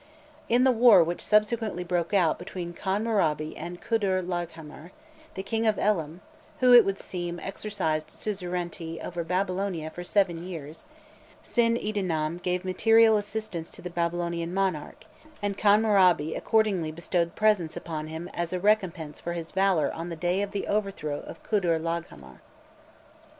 In the war which subsequently broke out between Kharnmurabi and Kudur Laghghamar, the King of Elam (who, it would seem, exercised suzerainty over Babylonia for seven years), Sin idinnam gave material assistance to the Babylonian monarch, and Khammurabi accordingly bestowed presents upon him as a "recompense for his valour on the day of the overthrow of Kudur Laghghamar."